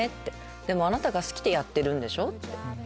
でもあなたが好きでやってるんでしょ。